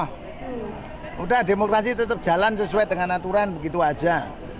sudah demokrasi tetap jalan sesuai dengan aturan begitu aja